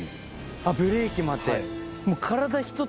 あっブレーキもあって。